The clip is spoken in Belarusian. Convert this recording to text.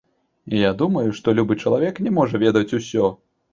Я думаю, што любы чалавек не можа ведаць усё.